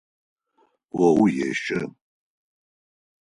О уещэ.